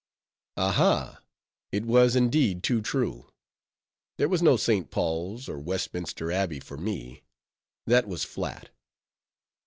Ah! Ah! it was indeed too true; there was no St. Paul's or Westminster Abbey for me; that was flat.